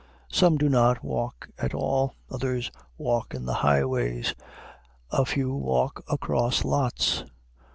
Some do not walk at all; others walk in the highways; a few walk across lots.